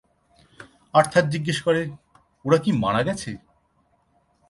Arthur জিজ্ঞেস করে, "ওরা কি মারা গেছে?"